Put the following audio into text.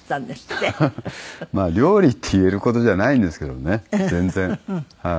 まあ料理って言える事じゃないんですけどもね全然。